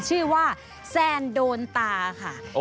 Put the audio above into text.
ชื่อว่าแซนโดนตาค่ะ